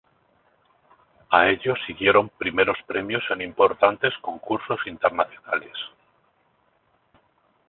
A ello siguieron primeros premios en importantes concursos internacionales.